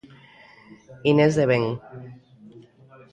Inés de Ben.